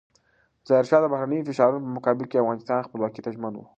ظاهرشاه د بهرنیو فشارونو په مقابل کې د افغانستان خپلواکۍ ته ژمن و.